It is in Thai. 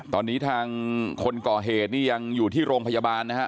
ตอนนี้ทางคนก่อเหตุนี่ยังอยู่ที่โรงพยาบาลนะฮะ